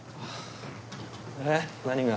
えっ何が？